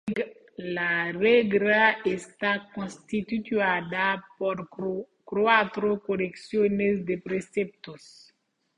La regla está constituida por cuatro colecciones de preceptos.